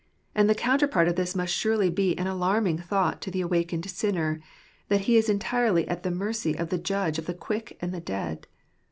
And the counterpart of this must surely be an alarming thought to the awakened sinner— that he is entirely at the mercy of the Judge of the quick and dead.